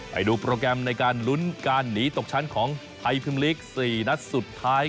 ไปดูโปรแกรมในการลุ้นการหนีตกชั้นของไทยพิมลีก๔นัดสุดท้าย